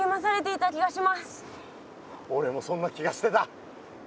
おれもそんな気がしてた。